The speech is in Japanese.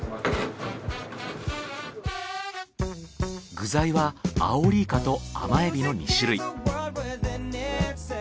具材はアオリイカと甘エビの２種類。